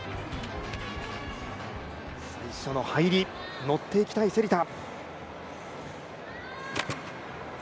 最初の入り乗っていきたい芹田。